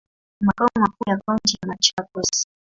Ni makao makuu ya kaunti ya Machakos.